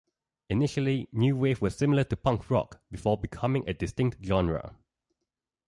Initially new wave was similar to punk rock, before becoming a distinct genre.